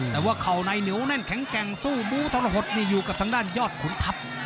แต่ว่าเข่าในเหนียวแน่นแข็งแกร่งสู้บูทรหดนี่อยู่กับทางด้านยอดขุนทัพ